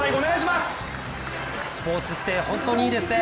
スポーツって本当にいいですね。